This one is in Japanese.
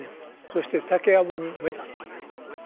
そして竹やぶに埋めたというんです。